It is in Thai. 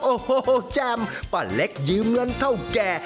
โอ้โหแจ่มป้าเล็กยืมเงินเท่าแก่